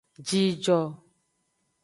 Jijo.